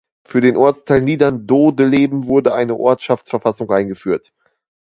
Für den Ortsteil Niederndodeleben wurde eine Ortschaftsverfassung eingeführt.